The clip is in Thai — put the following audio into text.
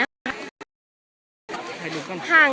มีแต่โดนล้าลาน